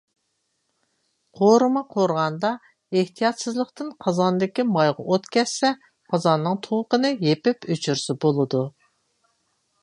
قورۇما قورۇغاندا ئېھتىياتسىزلىقتىن قازاندىكى مايغا ئوت كەتسە، قازاننىڭ تۇۋىقىنى يېپىپ ئۆچۈرسە بولىدۇ.